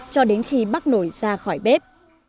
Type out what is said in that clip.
cho đến khi bắt nổi ra khỏi bếp